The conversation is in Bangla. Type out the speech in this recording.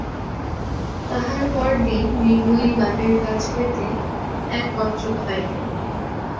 তাহার পরদিন মৃন্ময়ী বাপের কাছ হইতে এক পত্র পাইল।